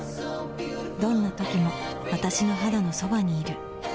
どんな時も私の肌のそばにいる